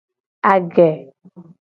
Age.